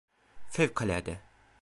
Fevkalade.